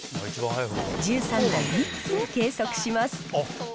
１３台一気に計測します。